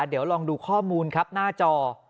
เดี๋ยวลองดูข้อมูลครับหน้าจอ